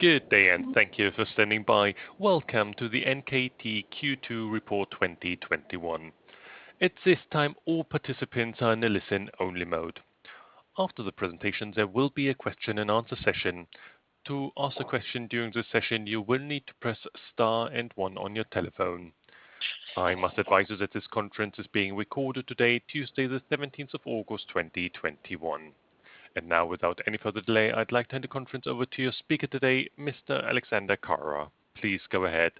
Good day, and thank you for standing by. Welcome to the NKT Q2 Report 2021. Now, without any further delay, I'd like to hand the conference over to your speaker today, Mr. Alexander Kara. Please go ahead.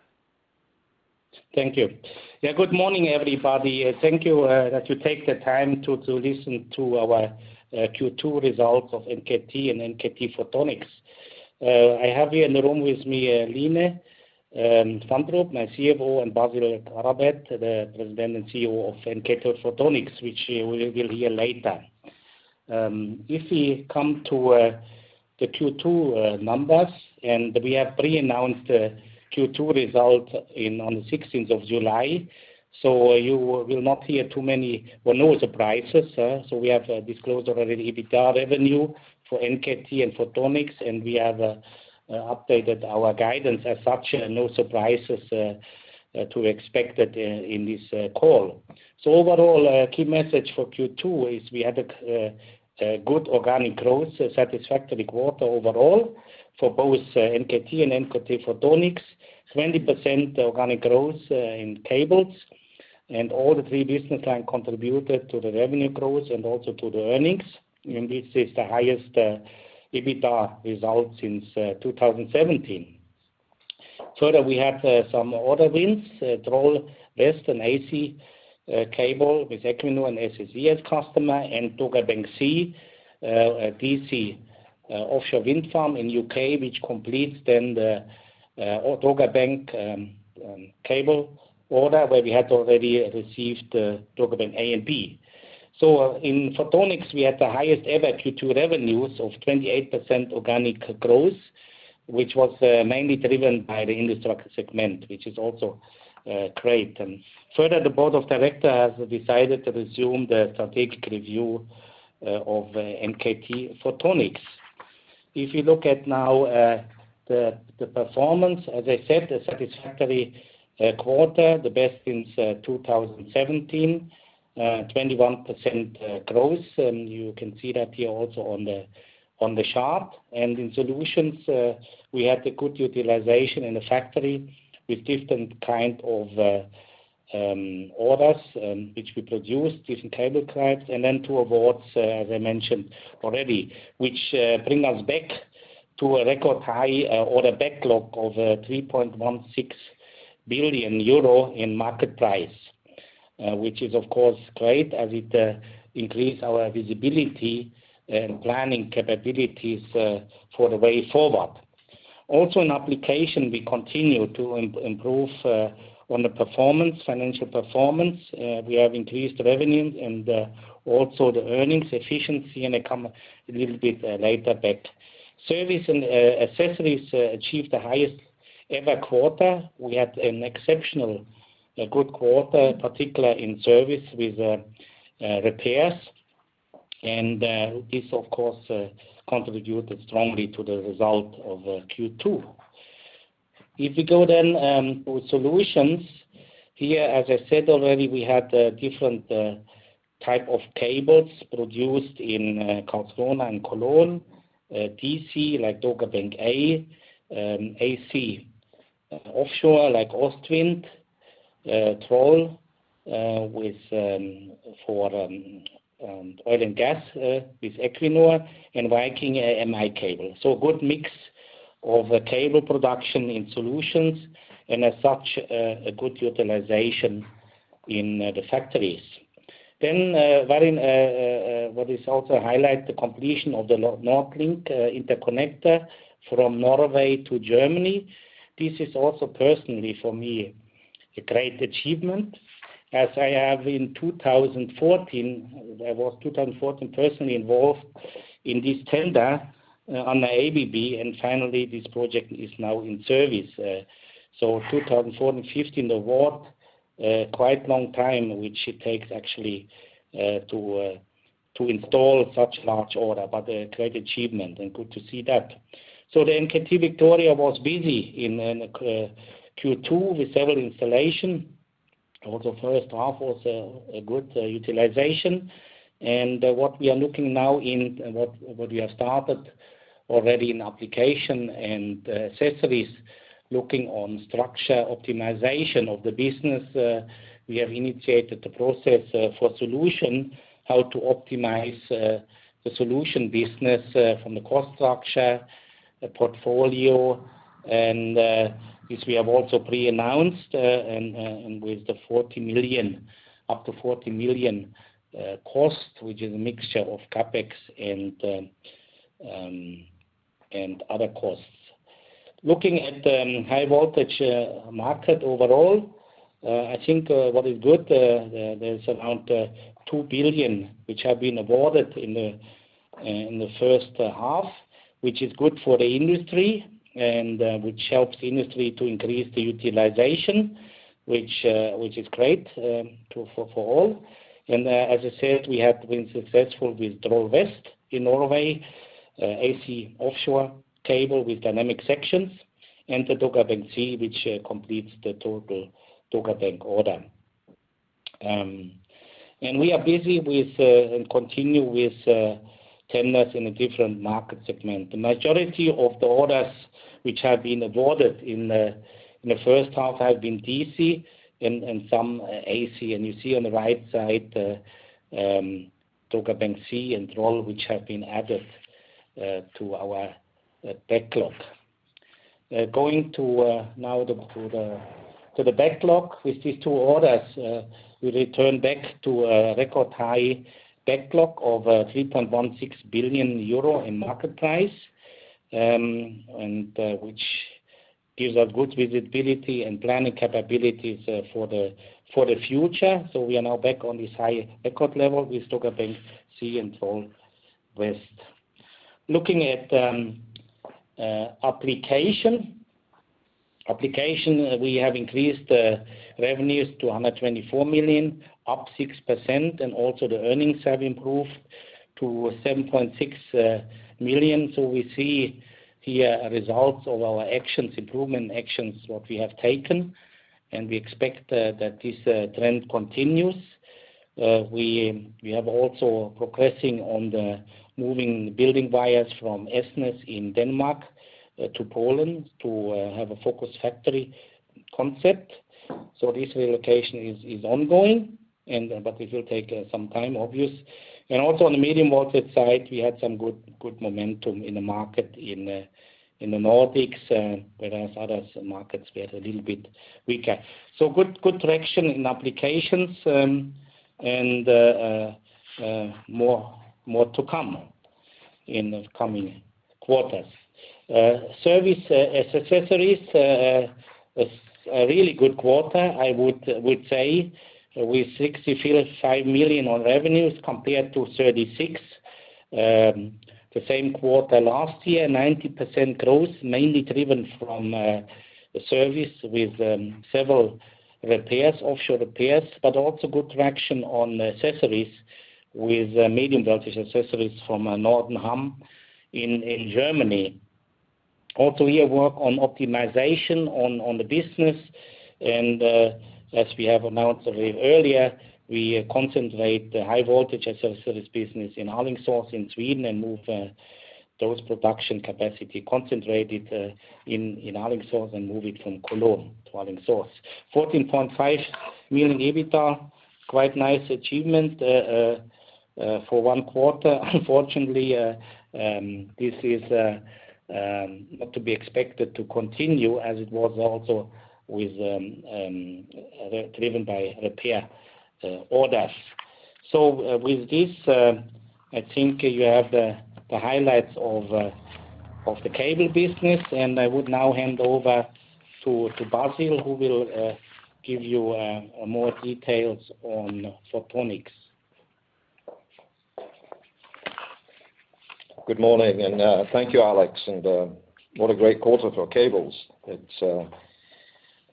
Thank you. Yeah, good morning, everybody. Thank you that you take the time to listen to our Q2 results of NKT and NKT Photonics. I have here in the room with me, Line Fandrup, my CFO, and Basil Garabet, the President and CEO of NKT Photonics, which we will hear later. If we come to the Q2 numbers, we have pre-announced Q2 result on the 16th of July, you will not hear too many or no surprises. We have disclosed already EBITDA revenue for NKT and Photonics, we have updated our guidance. As such, no surprises to expect in this call. Overall, key message for Q2 is we had a good organic growth, a satisfactory quarter overall for both NKT and NKT Photonics, 20% organic growth in cables. All the three business lines contributed to the revenue growth and also to the earnings. This is the highest EBITDA result since 2017. We have some order wins, Troll West and AC cable with Equinor and SSE as customer, and Dogger Bank C, a DC offshore wind farm in U.K., which completes then the Dogger Bank cable order where we had already received Dogger Bank A and B. In Photonics, we had the highest-ever Q2 revenues of 28% organic growth, which was mainly driven by the infrastructure segment, which is also great. The board of director has decided to resume the strategic review of NKT Photonics. If you look at now the performance, as I said, a satisfactory quarter, the best since 2017, 21% growth. You can see that here also on the chart. In solutions, we had a good utilization in the factory with different kind of orders, which we produced different cable types. Two awards, as I mentioned already, which bring us back to a record high order backlog of 3.16 billion euro in market price. Which is, of course, great as it increase our visibility and planning capabilities for the way forward. Also, in application, we continue to improve on the financial performance. We have increased revenues and also the earnings efficiency, and I come a little bit later back. Service and accessories achieved the highest-ever quarter. We had an exceptionally good quarter, particularly in service with repairs. This, of course, contributed strongly to the result of Q2. If we go with solutions, here, as I said already, we had different type of cables produced in Karlskrona and Cologne. DC, like Dogger Bank A, AC offshore, like East Anglia, Troll West for oil and gas with Equinor, and Viking Link. A good mix of cable production in solutions, and as such, a good utilization in the factories. What is also highlight the completion of the NordLink interconnector from Norway to Germany. This is also personally for me a great achievement as I was in 2014 personally involved in this tender under ABB, and finally, this project is now in service. 2014, 2015, award, quite a long time which it takes actually to install such large order, but a great achievement and good to see that. The NKT Victoria was busy in Q2 with several installations. Also first half was a good utilization. What we are looking now in what we have started already in application and accessories, looking on structure optimization of the business. We have initiated the process for solution, how to optimize the solution business from the cost structure, the portfolio. This we have also pre-announced, with up to 40 million cost, which is a mixture of CapEx and other costs. Looking at the high voltage market overall, I think what is good, there is around 2 billion which have been awarded in the first half, which is good for the industry, and which helps the industry to increase the utilization, which is great for all. As I said, we have been successful with Troll West in Norway, AC offshore cable with dynamic sections and the Dogger Bank C, which completes the total Dogger Bank order. We are busy with, and continue with, tenders in a different market segment. The majority of the orders which have been awarded in the first half have been DC and some AC. You see on the right side Dogger Bank C and Troll West, which have been added to our backlog. Going to now to the backlog. With these two orders, we return back to a record high backlog of 3.16 billion euro in market price, which gives us good visibility and planning capabilities for the future. We are now back on this high record level with Dogger Bank C and Troll West. Looking at application. Application, we have increased revenues to 124 million, up 6%, also the earnings have improved to 7.6 million. We see here results of our actions, improvement actions, what we have taken, we expect that this trend continues. We have also progressing on the moving building wires from Asnæs in Denmark to Poland to have a focus factory concept. This relocation is ongoing but it will take some time, obvious. Also on the medium voltage side, we had some good momentum in the market in the Nordics. Whereas other markets get a little bit weaker. Good traction in applications, and more to come in the coming quarters. Service and accessories was a really good quarter, I would say, with 65 million on revenues compared to 36 the same quarter last year. 90% growth, mainly driven from service with several repairs, offshore repairs, but also good traction on accessories with medium voltage accessories from Nordenham in Germany. We have worked on optimization on the business. As we have announced a bit earlier, we concentrate the high voltage accessories business in Alingsås in Sweden and move those production capacity, concentrate it in Alingsås and move it from Cologne to Alingsås. 14.5 million EBITDA, quite nice achievement for one quarter. Unfortunately, this is not to be expected to continue, as it was also driven by repair orders. With this, I think you have the highlights of the cable business, and I would now hand over to Basil, who will give you more details on Photonics. Good morning, thank you, Alex. What a great quarter for cables.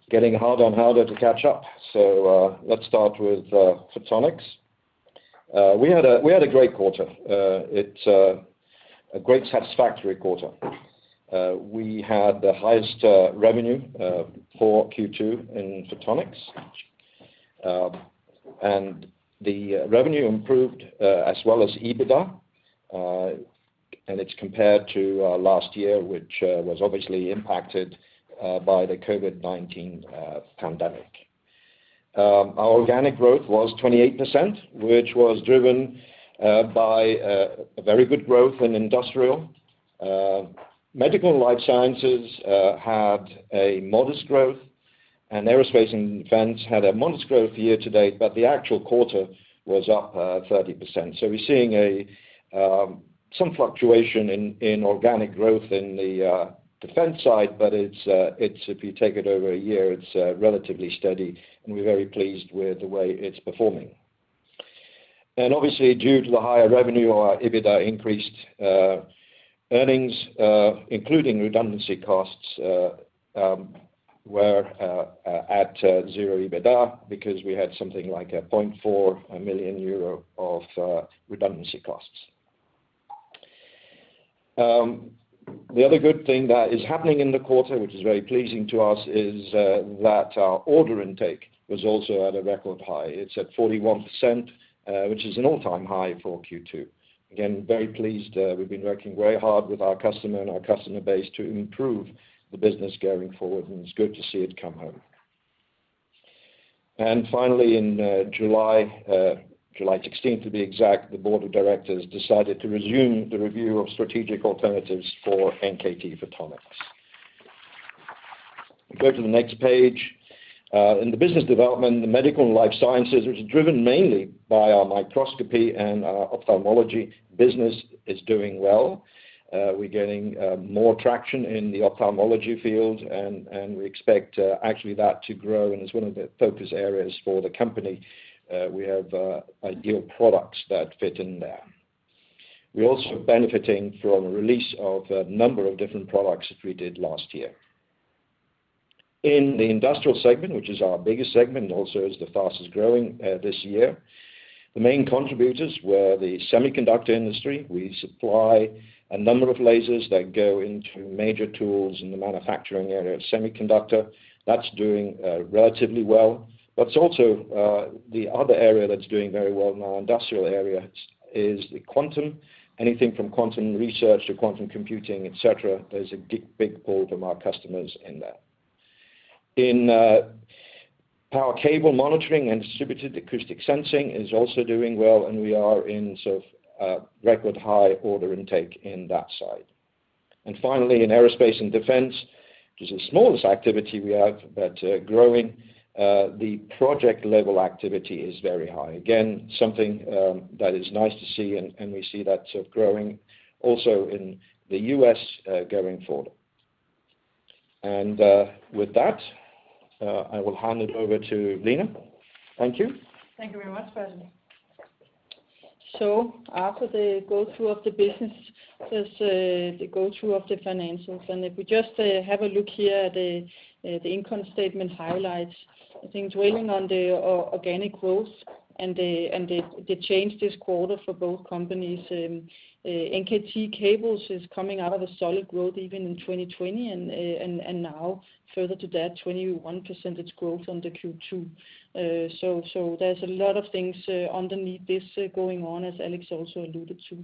It's getting harder and harder to catch up. Let's start with Photonics. We had a great quarter. It's a great satisfactory quarter. We had the highest revenue for Q2 in Photonics. The revenue improved, as well as EBITDA, and it's compared to last year, which was obviously impacted by the COVID-19 pandemic. Our organic growth was 28%, which was driven by a very good growth in industrial. Medical and life sciences had a modest growth, and aerospace and defense had a modest growth year to date, but the actual quarter was up 30%. We're seeing some fluctuation in organic growth in the defense side, but if you take it over a year, it's relatively steady, and we're very pleased with the way it's performing. Obviously, due to the higher revenue, our EBITDA increased. Earnings, including redundancy costs, were at zero EBITDA because we had something like 0.4 million euro of redundancy costs. The other good thing that is happening in the quarter, which is very pleasing to us, is that our order intake was also at a record high. It's at 41%, which is an all-time high for Q2. Again, very pleased. We've been working very hard with our customer and our customer base to improve the business going forward, and it's good to see it come home. Finally, in July 16th to be exact, the board of directors decided to resume the review of strategic alternatives for NKT Photonics. Go to the next page. In the business development, the medical and life sciences, which is driven mainly by our microscopy and our ophthalmology business, is doing well. We're getting more traction in the ophthalmology field, and we expect actually that to grow, and it's one of the focus areas for the company. We have ideal products that fit in there. We're also benefiting from the release of a number of different products that we did last year. In the industrial segment, which is our biggest segment, also is the fastest-growing this year, the main contributors were the semiconductor industry. We supply a number of lasers that go into major tools in the manufacturing area of semiconductor. That's doing relatively well. What's also the other area that's doing very well in our industrial area is the quantum. Anything from quantum research to quantum computing, et cetera, there's a big pool of our customers in that. In power cable monitoring and distributed acoustic sensing is also doing well. We are in sort of a record high order intake in that side. Finally, in aerospace and defense, which is the smallest activity we have, but growing, the project level activity is very high. Again, something that is nice to see. We see that growing also in the U.S. going forward. With that, I will hand it over to Line. Thank you. Thank you very much, Basil. After the go-through of the business, there's the go-through of the financials. If we just have a look here at the income statement highlights, I think dwelling on the organic growth and the change this quarter for both companies. NKT Cables is coming out of a solid growth even in 2020, and now further to that, 21% it's growth on the Q2. There's a lot of things underneath this going on, as Alex also alluded to.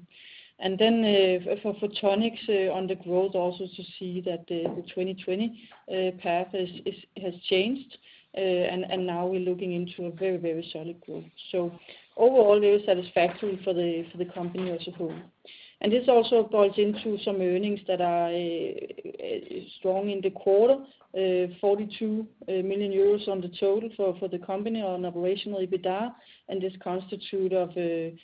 For Photonics on the growth, also to see that the 2020 path has changed, and now we're looking into a very solid growth. Overall, very satisfactory for the company as a whole. This also boils into some earnings that are strong in the quarter, 42 million euros on the total for the company on operational EBITDA, and this constitute of the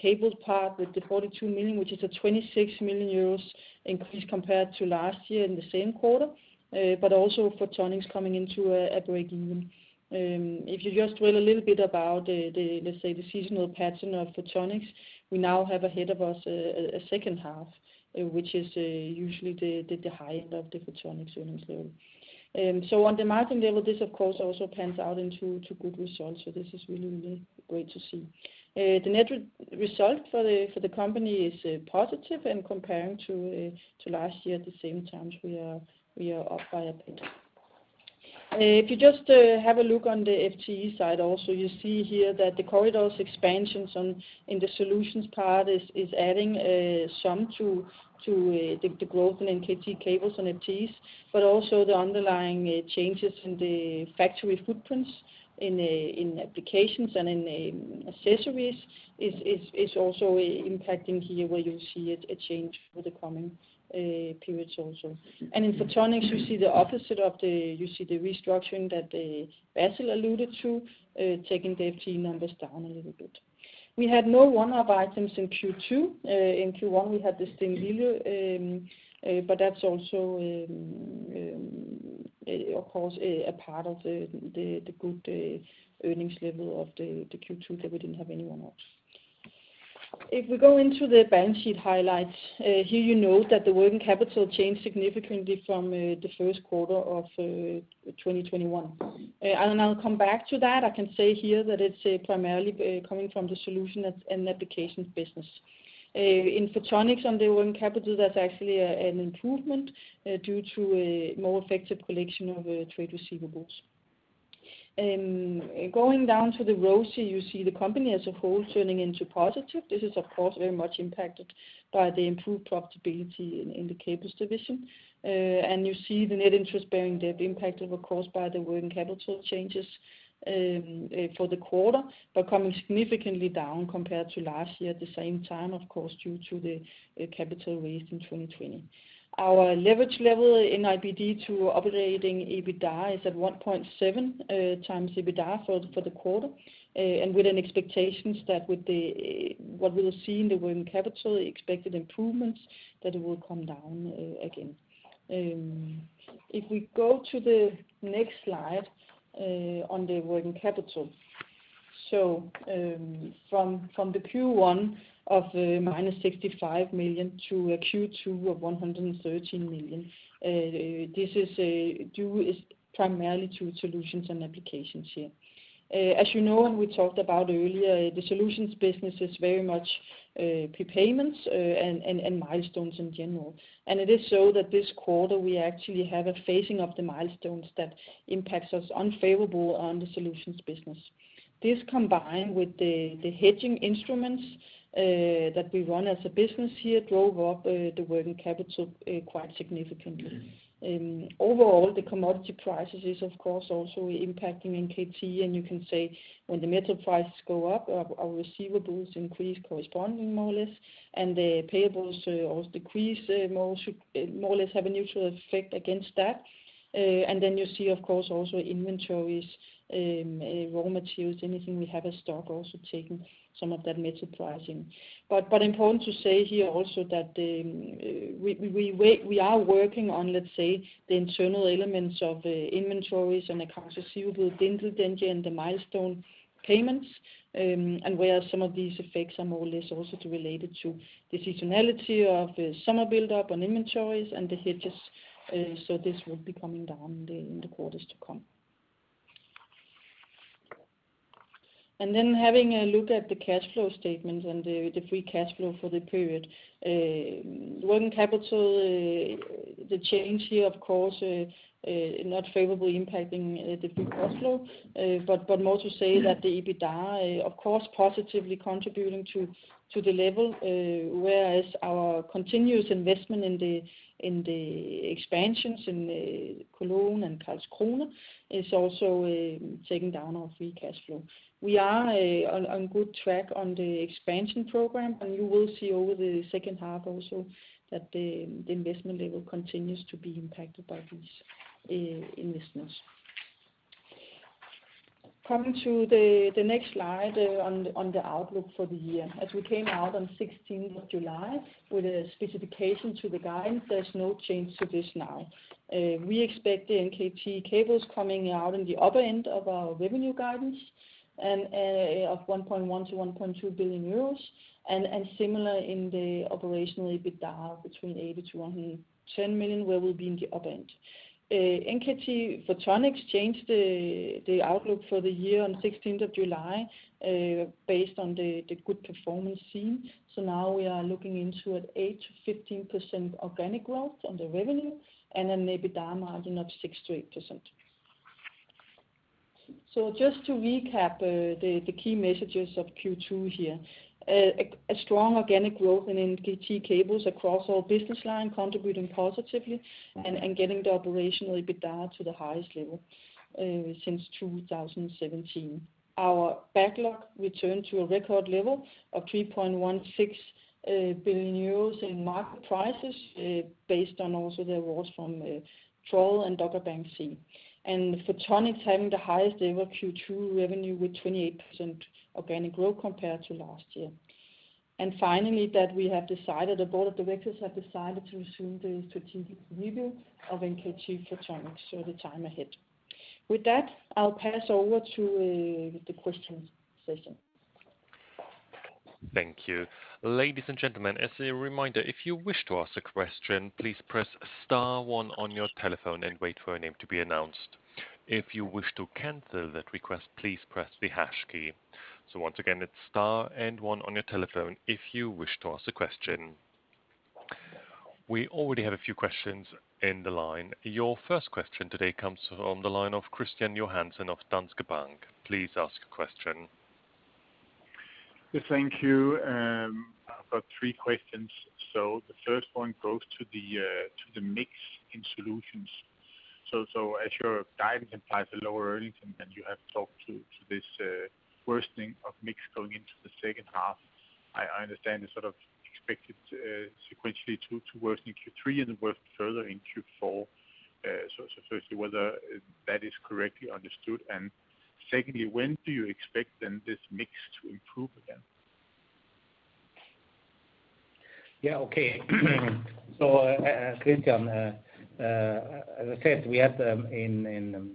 cable part with the 42 million, which is a 26 million euros increase compared to last year in the same quarter. Also Photonics coming into a break-even. If you just dwell a little bit about the, let's say, the seasonal pattern of Photonics, we now have ahead of us a second half, which is usually the high end of the Photonics earnings level. On the margin level, this of course, also pans out into good results. This is really great to see. The net result for the company is positive, and comparing to last year at the same times, we are up by a bit. If you just have a look on the FTE side also, you see here that the corridors expansions in the solutions part is adding some to the growth in NKT Cables and FTEs, but also the underlying changes in the factory footprints in applications and in accessories is also impacting here, where you see a change for the coming periods also. In NKT Photonics, you see the opposite of the restructuring that Basil alluded to, taking the FTE numbers down a little bit. We had no one-off items in Q2. In Q1 we had the stimuli, that's also, of course, a part of the good earnings level of the Q2 that we didn't have anyone else. If we go into the balance sheet highlights. Here you note that the working capital changed significantly from the first quarter of 2021. I'll come back to that. I can say here that it's primarily coming from the solution and applications business. In Photonics on the working capital, that's actually an improvement due to a more effective collection of trade receivables. Going down to the rows here, you see the company as a whole turning into positive. This is, of course, very much impacted by the improved profitability in the Cables division. You see the Net Interest-Bearing Debt impacted, of course, by the working capital changes for the quarter, but coming significantly down compared to last year at the same time, of course, due to the capital raised in 2020. Our leverage level, NIBD to operational EBITDA, is at 1.7x EBITDA for the quarter. With an expectations that what we will see in the working capital expected improvements, that it will come down again. If we go to the next slide, on the working capital. From the Q1 of the -65 million to a Q2 of 113 million, this is due primarily to solutions and applications here. As you know, and we talked about earlier, the solutions business is very much prepayments and milestones in general. It is so that this quarter, we actually have a phasing of the milestones that impacts us unfavorable on the solutions business. This combined with the hedging instruments that we run as a business here, drove up the working capital quite significantly. Overall, the commodity prices is, of course, also impacting NKT, and you can say when the metal prices go up, our receivables increase corresponding more or less, and the payables also decrease, more or less have a neutral effect against that. You see, of course, also inventories, raw materials, anything we have as stock, also taking some of that metal pricing. Important to say here also that we are working on, let's say, the internal elements of inventories and accounts receivable, and the milestone payments, and where some of these effects are more or less also related to the seasonality of summer buildup on inventories and the hedges. This will be coming down in the quarters to come. Having a look at the cash flow statement and the free cash flow for the period. Working capital, the change here, of course, not favorably impacting the free cash flow. More to say that the EBITDA, of course, positively contributing to the level, whereas our continuous investment in the expansions in Cologne and Karlskrona is also taking down our free cash flow. We are on good track on the expansion program, and you will see over the second half also that the investment level continues to be impacted by these investments. Coming to the next slide on the outlook for the year. As we came out on 16th of July with a specification to the guidance, there's no change to this now. We expect NKT Cables coming out in the upper end of our revenue guidance of 1.1 billion-1.2 billion euros, and similar in the operational EBITDA, between 80 million-110 million, where we'll be in the upper end. NKT Photonics changed the outlook for the year on 16th of July, based on the good performance seen. Now we are looking into an 8%-15% organic growth on the revenue, and an EBITDA margin of 6%-8%. Just to recap, the key messages of Q2 here. A strong organic growth in NKT Cables across all business line, contributing positively and getting the operational EBITDA to the highest level since 2017. Our backlog returned to a record level of 3.16 billion euros in market prices, based on also the awards from Troll and Dogger Bank C. Photonics having the highest ever Q2 revenue with 28% organic growth compared to last year. Finally, that the board of directors have decided to resume the strategic review of NKT Photonics for the time ahead. With that, I'll pass over to the question session. Thank you. Ladies and gentlemen, as a reminder, if you wish to ask a question, please press star one on your telephone and wait for your name to be announced. If you wish to cancel that request, please press the hash key. Once again, it's star and one on your telephone if you wish to ask a question. We already have a few questions in the line. Your first question today comes from the line of Kristian Johansen of Danske Bank. Please ask your question. Yes. Thank you. I've got three questions. The first one goes to the mix in solutions. As your guidance implies a lower earnings, and you have talked to this worsening of mix going into the second half, I understand it's sort of expected sequentially to worsen in Q3 and worsen further in Q4. Firstly, whether that is correctly understood, and secondly, when do you expect then this mix to improve again? Okay. Kristian, as I said, we had in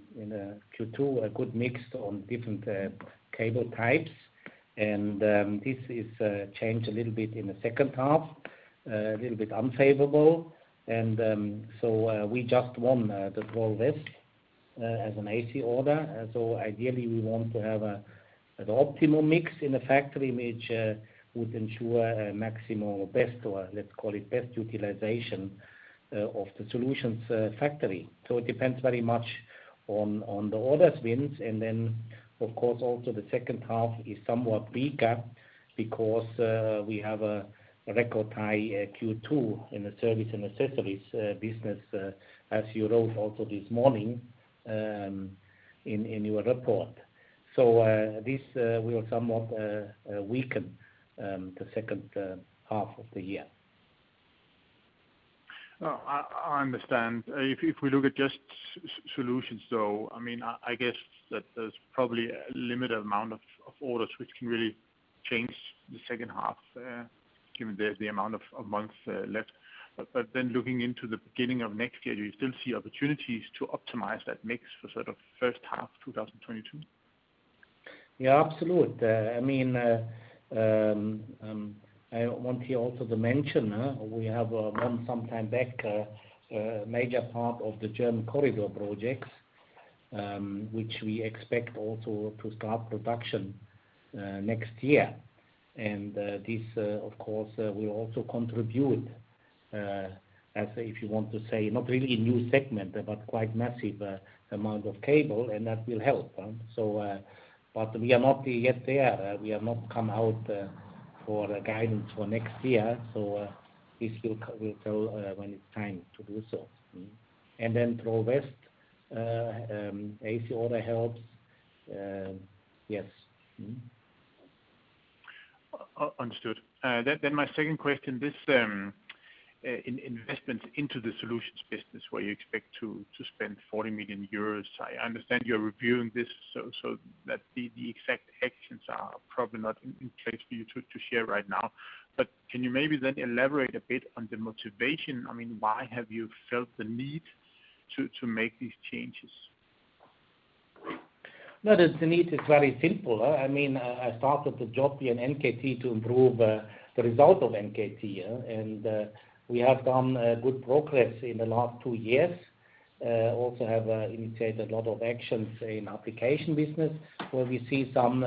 Q2, a good mix on different cable types, and this is changed a little bit in the second half, a little bit unfavorable. We just won the Troll West as an AC order. Ideally we want to have an optimal mix in the factory, which would ensure a maximal, let's call it best utilization of the solutions factory. It depends very much on the orders wins, and then of course, also the second half is somewhat weaker because we have a record high Q2 in the service and accessories business, as you wrote also this morning in your report. This will somewhat weaken the second half of the year. I understand. If we look at just solutions though, I guess that there's probably a limited amount of orders which can really change the second half, given the amount of months left. Looking into the beginning of next year, do you still see opportunities to optimize that mix for first half 2022? Yeah, absolutely. I want here also to mention, we have won some time back, a major part of the German Corridor projects, which we expect also to start production next year. This, of course, will also contribute, if you want to say, not really a new segment, but quite massive amount of cable, and that will help. We are not yet there. We have not come out for the guidance for next year, this will tell when it's time to do so. Troll West AC order helps. Yes. Understood. My second question. This investment into the solutions business, where you expect to spend 40 million euros, I understand you're reviewing this so that the exact actions are probably not in place for you to share right now, can you maybe then elaborate a bit on the motivation? Why have you felt the need to make these changes? No, the need is very simple. I started the job here in NKT to improve the result of NKT. We have done good progress in the last two years. Also have initiated a lot of actions in application business, where we see some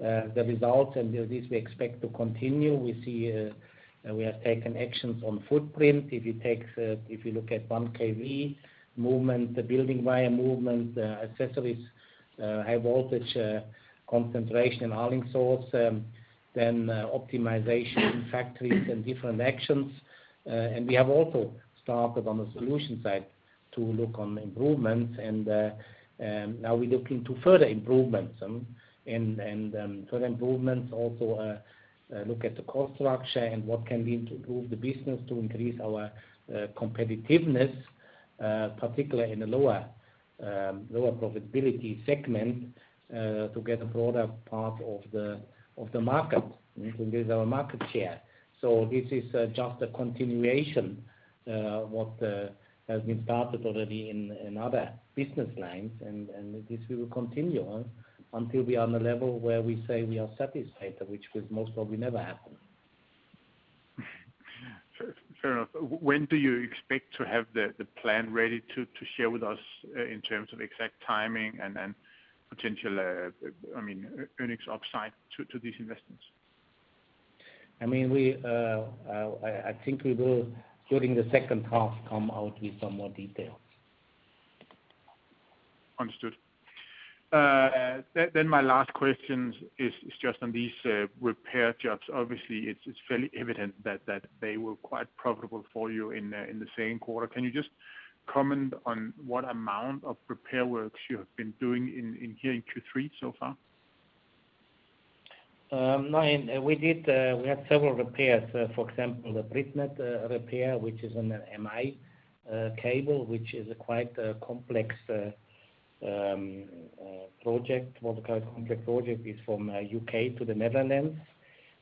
results, and this we expect to continue. We have taken actions on footprint. If you look at 1 kV movement, the building wire movement, accessories, high voltage concentration in Alingsås, then optimization factories and different actions. We have also started on the solution side to look on improvements. Now we look into further improvements. Further improvements also look at the cost structure and what can we improve the business to increase our competitiveness, particularly in the lower profitability segment, to get a broader part of the market, to increase our market share. This is just a continuation, what has been started already in other business lines. This we will continue on until we are on a level where we say we are satisfied, which will most probably never happen. Fair enough. When do you expect to have the plan ready to share with us in terms of exact timing and potential earnings upside to these investments? I think we will, during the second half, come out with some more details. Understood. My last question is just on these repair jobs. Obviously, it is fairly evident that they were quite profitable for you in the same quarter. Can you just comment on what amount of repair works you have been doing here in Q3 so far? No. We had several repairs, for example, the BritNed repair, which is on an MI cable, which is quite a complex project. What we call complex project is from U.K. to the Netherlands.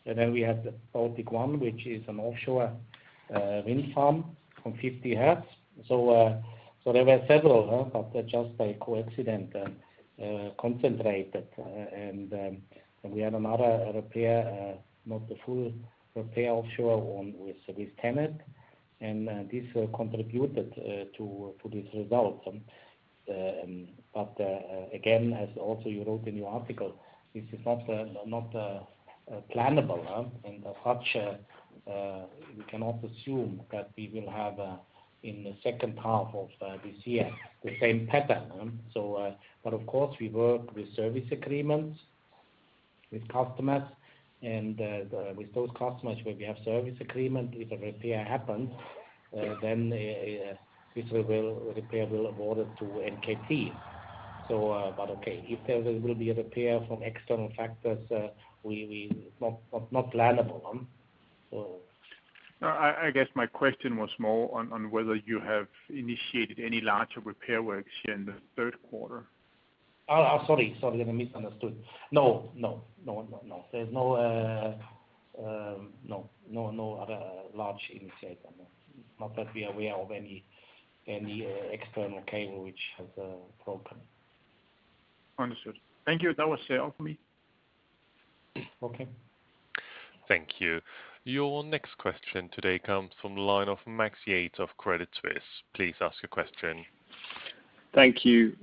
We have the Baltic 1, which is an offshore wind farm on 50 Hz. There were several, but just by coincidence concentrated. We had another repair, not a full repair offshore, with TenneT. This contributed to this result. Again, as also you wrote in your article, this is not plannable. As such, we cannot assume that we will have, in the second half of this year, the same pattern. Of course, we work with service agreements with customers, and with those customers where we have service agreement, if a repair happens, then this repair will be awarded to NKT. Okay, if there will be a repair from external factors, not plannable. No. I guess my question was more on whether you have initiated any larger repair works here in the third quarter. Oh, sorry. I misunderstood. No. There's no other large initiative. Not that we are aware of any external cable which has a problem. Understood. Thank you. That was it for me. Okay. Thank you. Your next question today comes from the line of Max Yates of Credit Suisse. Please ask your question. Thank you.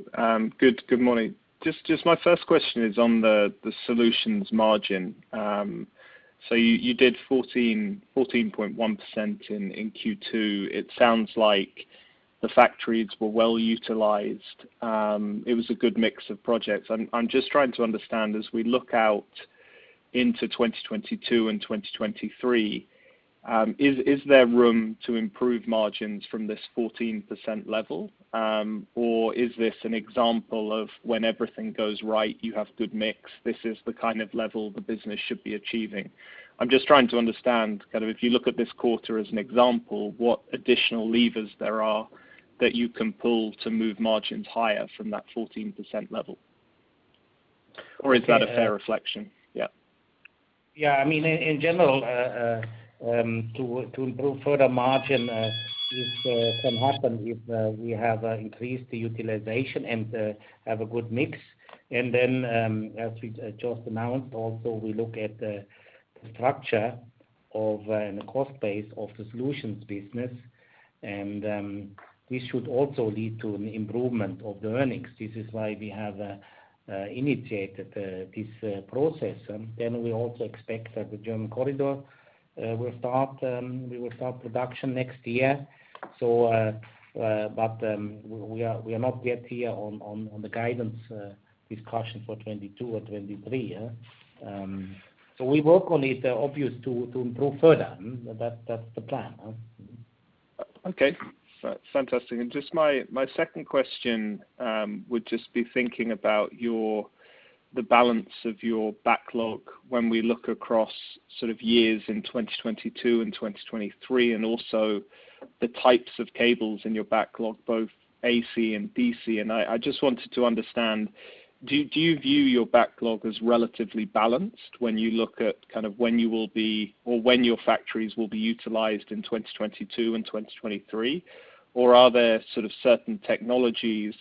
Good morning. My first question is on the solutions margin. You did 14.1% in Q2. It sounds like the factories were well utilized. It was a good mix of projects. I'm just trying to understand, as we look out into 2022 and 2023, is there room to improve margins from this 14% level? Is this an example of when everything goes right, you have good mix, this is the kind of level the business should be achieving? I'm just trying to understand, if you look at this quarter as an example, what additional levers there are that you can pull to move margins higher from that 14% level. Is that a fair reflection? Yeah. Yeah. In general, to improve further margin, this can happen if we have increased the utilization and have a good mix. As we just announced, also we look at the structure and the cost base of the Solutions business. This should also lead to an improvement of the earnings. This is why we have initiated this process. We also expect that the German Corridor, we will start production next year. We are not yet here on the guidance discussion for 2022 or 2023. We work on it, obvious, to improve further. That's the plan. Okay. Fantastic. Just my second question would just be thinking about the balance of your backlog when we look across years in 2022 and 2023, and also the types of cables in your backlog, both AC and DC. I just wanted to understand, do you view your backlog as relatively balanced when you look at when your factories will be utilized in 2022 and 2023? Or are there certain technologies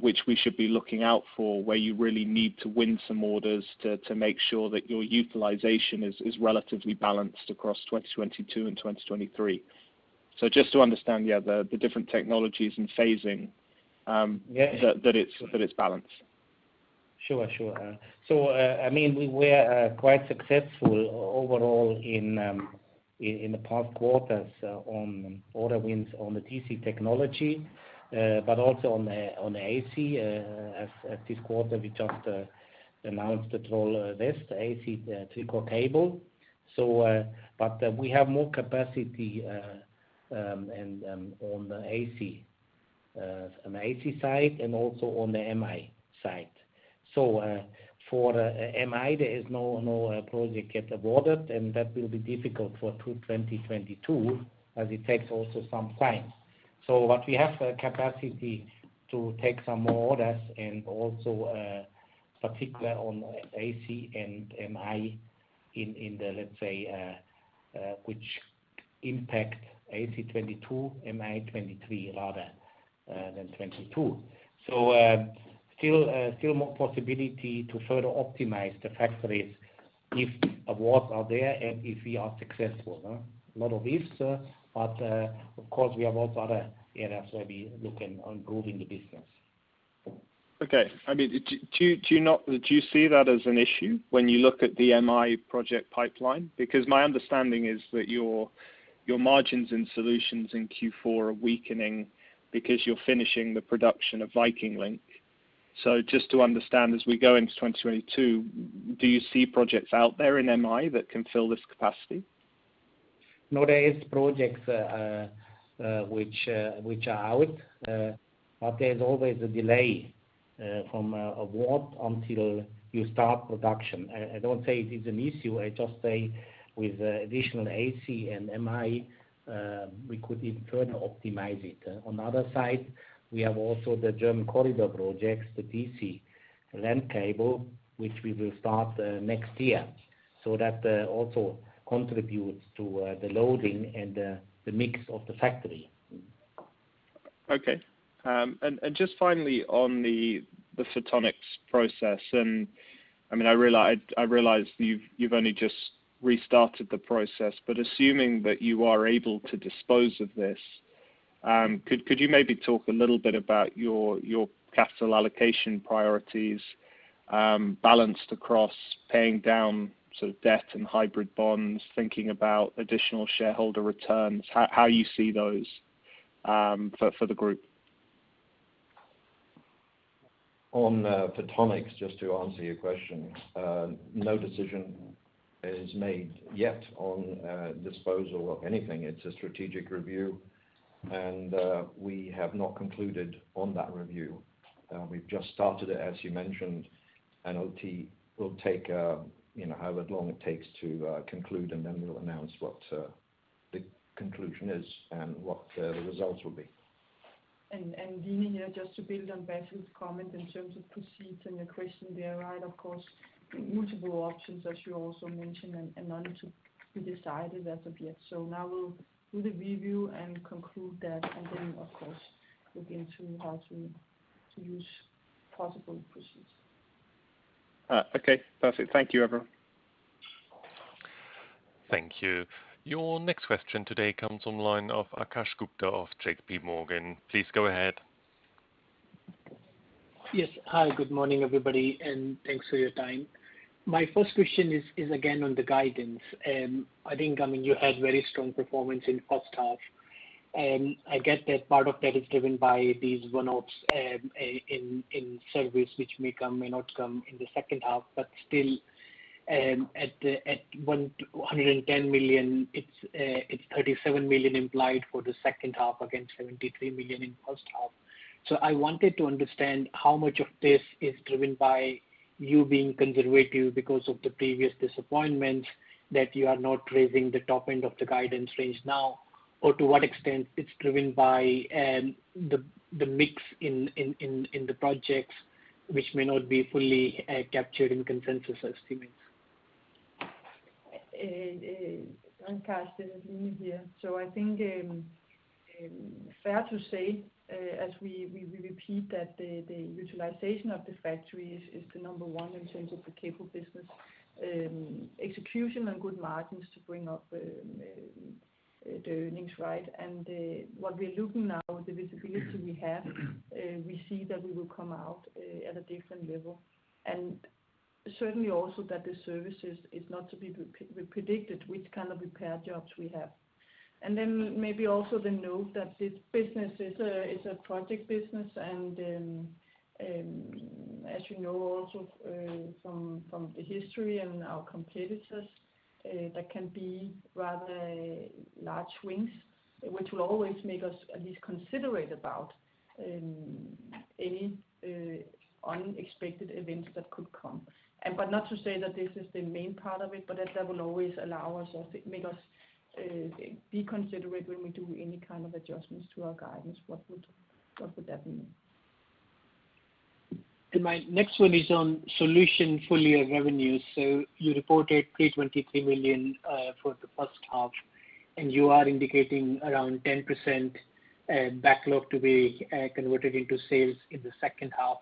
which we should be looking out for, where you really need to win some orders to make sure that your utilization is relatively balanced across 2022 and 2023. Just to understand, yeah, the different technologies. Yeah that it's balanced. Sure. We were quite successful overall in the past quarters on order wins on the DC technology, but also on the AC. This quarter, we just announced the Troll West AC triple cable. We have more capacity on the AC side and also on the MI side. For MI, there is no project yet awarded, and that will be difficult for 2022, as it takes also some time. What we have the capacity to take some more orders and also particular on AC and MI in the, let's say which impact AC 2022, MI 2023 rather than 2022. Still more possibility to further optimize the factories if awards are there and if we are successful. A lot of ifs, but of course we have also other areas where we looking on growing the business. Okay. Do you see that as an issue when you look at the MI project pipeline? Because my understanding is that your margins and solutions in Q4 are weakening because you're finishing the production of Viking Link. Just to understand, as we go into 2022, do you see projects out there in MI that can fill this capacity? No, there is projects which are out, but there's always a delay from award until you start production. I don't say it is an issue. I just say with additional AC and MI, we could even further optimize it. On the other side, we have also the German Corridor projects, the DC link cable, which we will start next year. That also contributes to the loading and the mix of the factory. Okay. Just finally on the Photonics process, and I realize you've only just restarted the process, but assuming that you are able to dispose of this, could you maybe talk a little bit about your capital allocation priorities balanced across paying down sort of debt and hybrid bonds, thinking about additional shareholder returns, how you see those for the group? On Photonics, just to answer your question, no decision is made yet on disposal of anything. It's a strategic review, and we have not concluded on that review. We've just started it, as you mentioned, and it will take however long it takes to conclude, and then we'll announce what the conclusion is and what the results will be. Line here, just to build on Basil comment in terms of proceeds and the question there, right? Multiple options, as you also mentioned, and none to be decided as of yet. Now we'll do the review and conclude that, and then, of course, look into how to use possible proceeds. Okay, perfect. Thank you, everyone. Thank you. Your next question today comes on the line of Akash Gupta of JPMorgan. Please go ahead. Yes. Hi, good morning, everybody, and thanks for your time. My first question is again on the guidance. I think you had very strong performance in first half, and I get that part of that is driven by these one-offs in service, which may come, may not come in the second half, but still at 110 million, it's 37 million implied for the second half against 73 million in first half. I wanted to understand how much of this is driven by you being conservative because of the previous disappointments that you are not raising the top end of the guidance range now, or to what extent it's driven by the mix in the projects which may not be fully captured in consensus estimates. Akash, this is Line here. I think fair to say, as we repeat that the utilization of the factories is the number one in terms of the cable business. Execution and good margins to bring up the earnings, right? What we are looking now, the visibility we have, we see that we will come out at a different level. Certainly also that the services is not to be predicted, which kind of repair jobs we have. Then maybe also the note that this business is a project business, and as you know also from the history and our competitors, that can be rather large swings, which will always make us at least considerate about any unexpected events that could come. Not to say that this is the main part of it, but that will always allow us, or make us be considerate when we do any kind of adjustments to our guidance, what would that mean? My next one is on Solutions full year revenue. You reported 323 million for the first half, and you are indicating around 10% backlog to be converted into sales in the second half,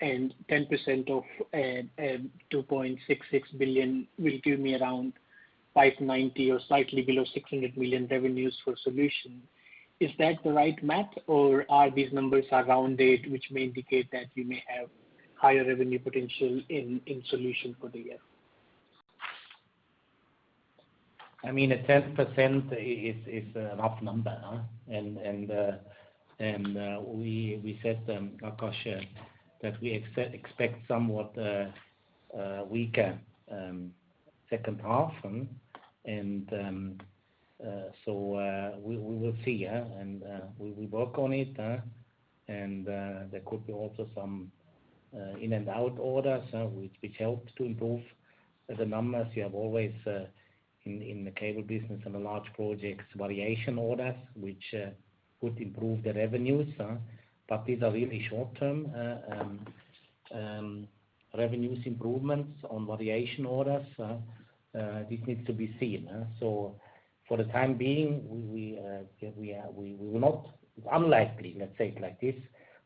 and 10% of 2.66 billion will give me around 590 million or slightly below 600 million revenues for Solutions. Is that the right math or are these numbers rounded, which may indicate that you may have higher revenue potential in Solutions for the year? A 10% is a rough number. We said, Akash, that we expect somewhat weaker second half. We will see. We work on it, and there could be also some in and out orders, which helped to improve the numbers. You have always, in the cable business and the large projects, variation orders, which could improve the revenues. These are really short-term revenues improvements on variation orders. This needs to be seen. For the time being, it's unlikely, let's say it like this,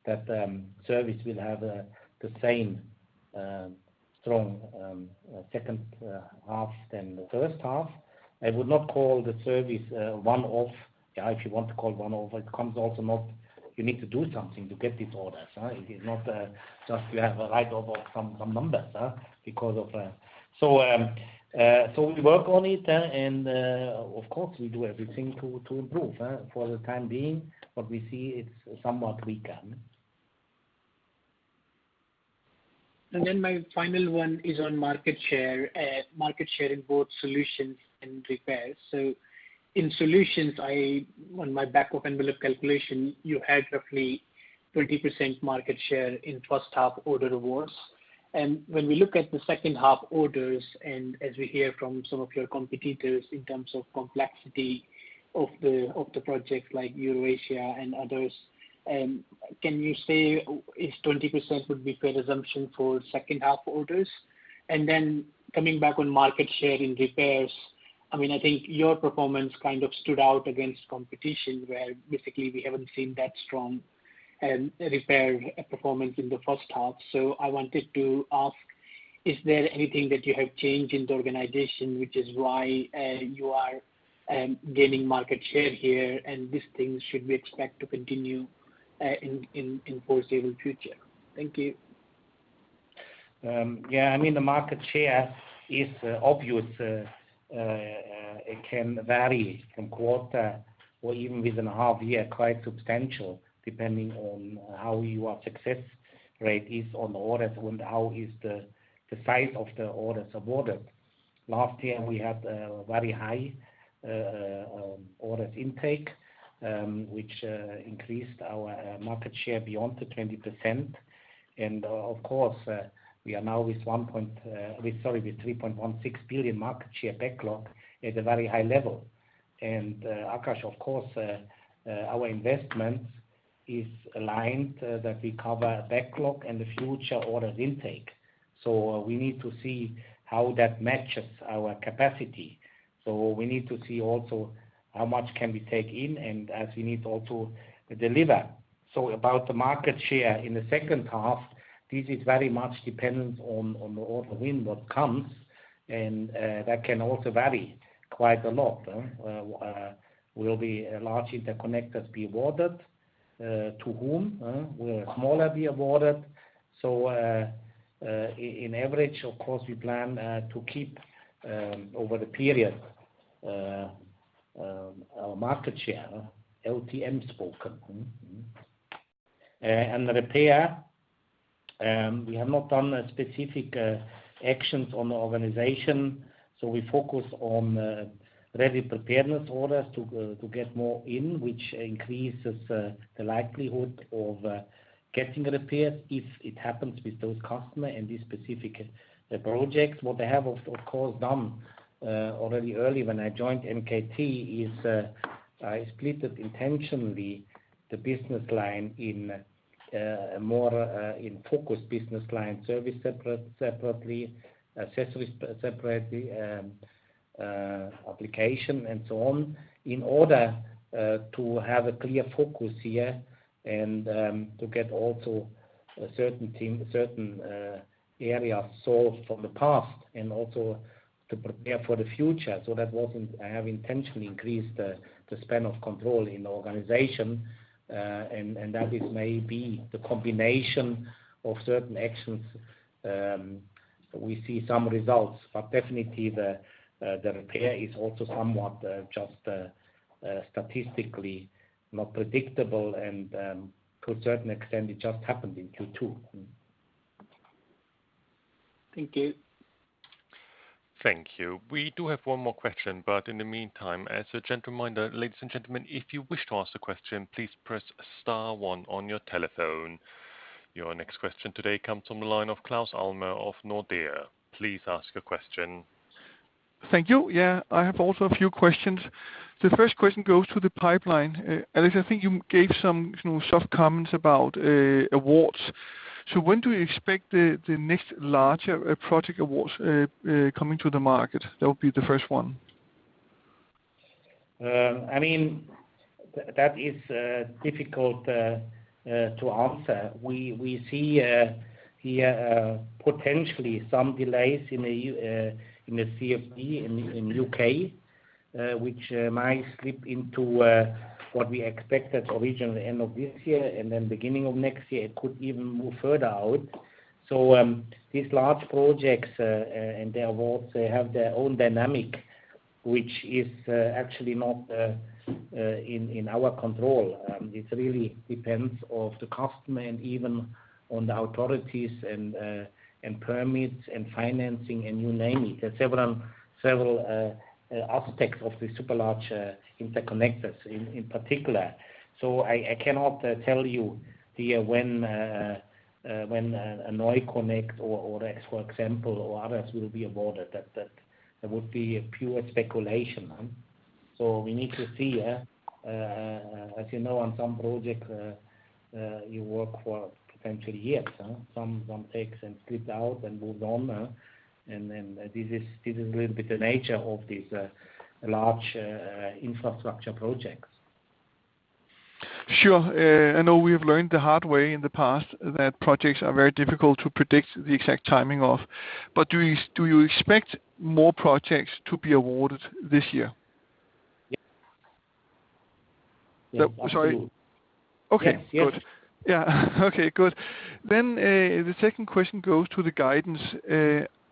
that Service will have the same strong second half than the first half. I would not call the Service a one-off. If you want to call one-off, you need to do something to get these orders. It is not just you have a write-off of some numbers. We work on it, and of course, we do everything to improve. For the time being, what we see it's somewhat weaker. Then my final one is on market share in both Solutions and Repairs. In Solutions, on my back of envelope calculation, you had roughly 20% market share in first half order awards. When we look at the second half orders, and as we hear from some of your competitors in terms of complexity of the project, like EuroAsia and others, can you say if 20% would be fair assumption for second half orders? Then coming back on market share in Repairs, I think your performance stood out against competition, where basically we haven't seen that strong repair performance in the first half. I wanted to ask, is there anything that you have changed in the organization, which is why you are gaining market share here, and these things should we expect to continue in foreseeable future? Thank you. Yeah. The market share is obvious. It can vary from quarter or even within a half year, quite substantial, depending on how your success rate is on orders and how is the size of the orders awarded. Last year, we had a very high orders intake, which increased our market share beyond the 20%. Of course, we are now with 3.16 billion market share backlog is a very high level. Akash, of course, our investment is aligned that we cover backlog and the future orders intake. We need to see how that matches our capacity. We need to see also how much can we take in, and as we need to also deliver. About the market share in the second half, this is very much dependent on the order win what comes, and that can also vary quite a lot. Will the large interconnectors be awarded? To whom? Will smaller be awarded? In average, of course, we plan to keep over the period our market share, LTM spoken. Repair, we have not done specific actions on the organization. We focus on ready preparedness orders to get more in, which increases the likelihood of getting repairs if it happens with those customer and these specific projects. What I have of course done already early when I joined NKT is I splitted intentionally the business line in more in focus business line, Service separately, Accessories separately, Application and so on, in order to have a clear focus here and to get also a certain area solved from the past and also to prepare for the future. I have intentionally increased the span of control in the organization, and that is maybe the combination of certain actions. We see some results, but definitely the Repair is also somewhat just statistically not predictable and to a certain extent, it just happened in Q2. Thank you. Thank you. We do have one more question, but in the meantime, as a gentle reminder, ladies and gentlemen, if you wish to ask a question, please press star one on your telephone. Your next question today comes on the line of Claus Almer of Nordea. Please ask your question. Thank you. Yeah, I have also a few questions. The first question goes to the pipeline. Alex, I think you gave some soft comments about awards. When do you expect the next larger project awards coming to the market? That would be the first one. That is difficult to answer. We see here potentially some delays in the CfD in U.K., which might slip into what we expected originally end of this year and then beginning of next year. It could even move further out. These large projects and their awards, they have their own dynamic, which is actually not in our control. It really depends of the customer and even on the authorities and permits and financing, and you name it. There are several aspects of the super large interconnectors in particular. I cannot tell you here when a NeuConnect or EuroAsia, for example, or others will be awarded. That would be a pure speculation. We need to see. As you know, on some projects, you work for potentially years. Some takes and slipped out and moved on. This is a little bit the nature of these large infrastructure projects. Sure. I know we have learned the hard way in the past that projects are very difficult to predict the exact timing of. Do you expect more projects to be awarded this year? Yeah. Sorry. Okay, good. Yes. Yeah. Okay, good. The second question goes to the guidance.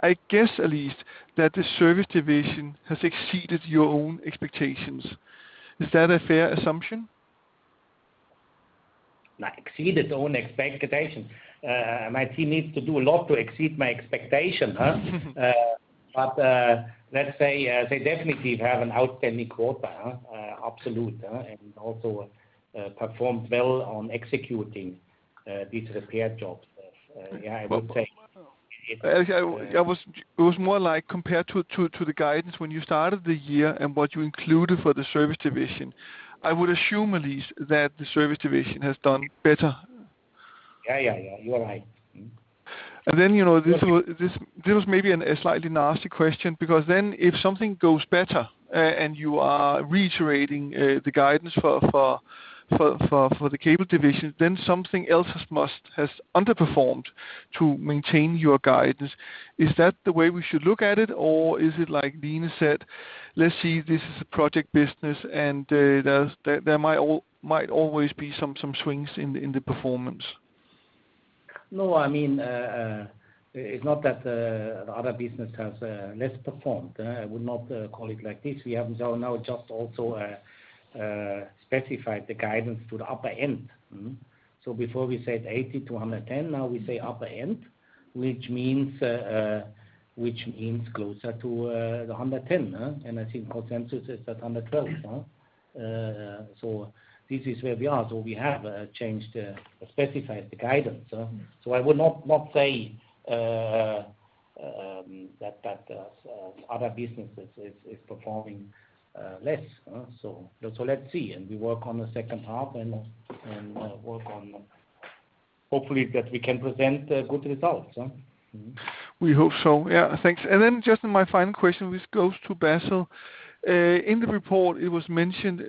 I guess at least that the service division has exceeded your own expectations. Is that a fair assumption? Exceeded own expectation. My team needs to do a lot to exceed my expectation, huh? Let's say they definitely have an outstanding quarter. Absolute. Also performed well on executing these repair jobs. Yeah, I would say. Alex, it was more compared to the guidance when you started the year and what you included for the service division. I would assume at least that the service division has done better. Yeah. You are right. This was maybe a slightly nasty question, because if something goes better and you are reiterating the guidance for the cable division, something else must have underperformed to maintain your guidance. Is that the way we should look at it, or is it like Line said, let's see, this is a project business and there might always be some swings in the performance. No, it's not that the other business has less performed. I would not call it like this. We have now just also specified the guidance to the upper end. Before we said 80-110, now we say upper end, which means closer to the 110. I think our consensus is at 112. This is where we are. We have changed, specified the guidance. I would not say that other businesses is performing less. Let's see, and we work on the second half and work on hopefully that we can present good results. We hope so. Yeah, thanks. Just my final question, which goes to Basil. In the report it was mentioned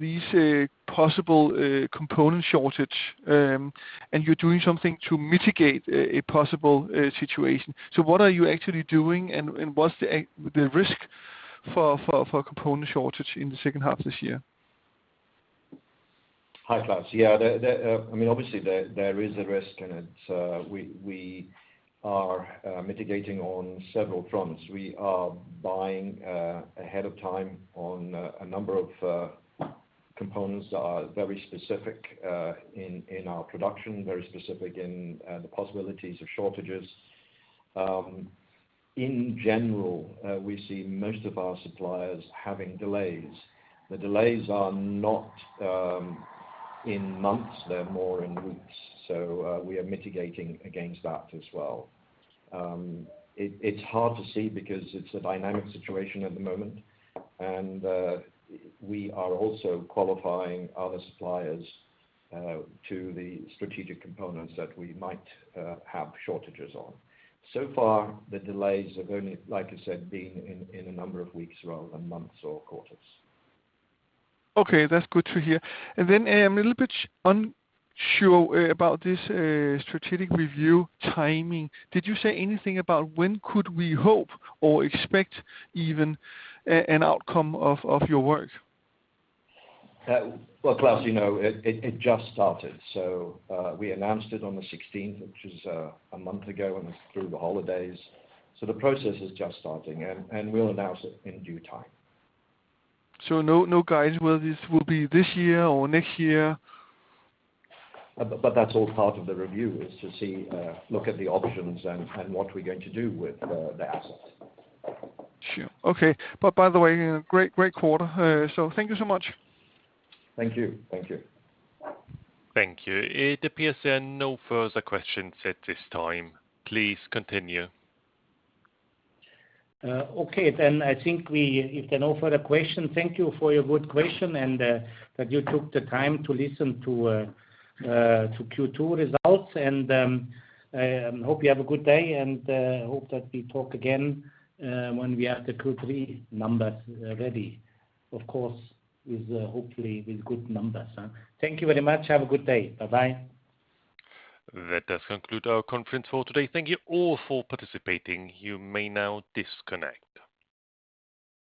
these possible component shortage, and you're doing something to mitigate a possible situation. What are you actually doing, and what's the risk for component shortage in the second half this year? Hi, Claus. Yeah. Obviously, there is a risk, and it's we are mitigating on several fronts. We are buying ahead of time on a number of components that are very specific in our production, very specific in the possibilities of shortages. In general, we see most of our suppliers having delays. The delays are not in months, they're more in weeks. We are mitigating against that as well. It's hard to see because it's a dynamic situation at the moment, and we are also qualifying other suppliers to the strategic components that we might have shortages on. So far, the delays have only, like I said, been in a number of weeks rather than months or quarters. Okay. That's good to hear. I am a little bit unsure about this strategic review timing. Did you say anything about when could we hope or expect even an outcome of your work? Well, Claus, you know, it just started. We announced it on the 16th, which is a month ago, and it's through the holidays. The process is just starting, and we'll announce it in due time. No guidance whether this will be this year or next year? That's all part of the review, is to look at the options and what we're going to do with the assets. Sure. Okay. By the way, great quarter, so thank you so much. Thank you. Thank you. It appears there are no further questions at this time. Please continue. Okay, I think if there are no further questions, thank you for your good question and that you took the time to listen to Q2 results, and hope you have a good day, and hope that we talk again when we have the Q3 numbers ready. Of course, hopefully with good numbers. Thank you very much. Have a good day. Bye-bye. That does conclude our conference call today. Thank you all for participating. You may now disconnect.